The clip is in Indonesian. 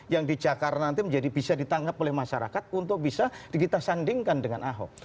yang di jakarta nanti menjadi bisa ditangkap oleh masyarakat untuk bisa kita sandingkan dengan ahok